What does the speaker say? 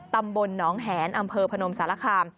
ตำบลหนองแหนอำเภอพนมสารคาม